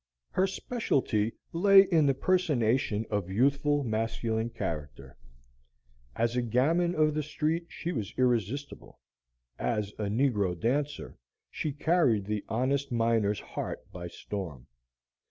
Her specialty lay in the personation of youthful masculine character; as a gamin of the street she was irresistible, as a negro dancer she carried the honest miner's heart by storm.